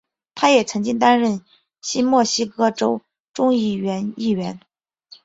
他也曾经担任新墨西哥州众议院议员。